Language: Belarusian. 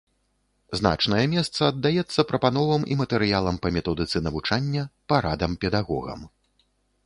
Значнае месца аддаецца прапановам і матэрыялам па методыцы навучання, парадам педагогам.